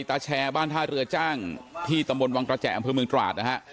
ตาแชร์บ้านท่าเรือจ้างที่ตำบลวังกระแจอำเภอเมืองตราดนะฮะ